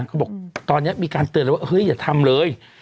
เขาบอกตอนนี้มีการเตือนเลยว่าเฮ้ยอย่าทำเลย